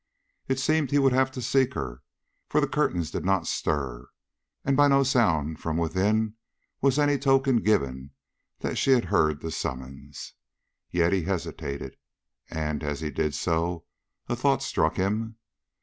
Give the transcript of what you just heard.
It seemed he would have to seek her, for the curtains did not stir, and by no sound from within was any token given that she had heard the summons. Yet he hesitated, and as he did so, a thought struck him.